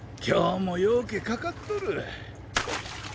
今日もようけかかっとる！